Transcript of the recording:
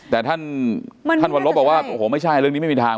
แต่ท่านท่านวัลลบบอกว่าโอ้โหไม่ใช่เรื่องนี้ไม่มีทาง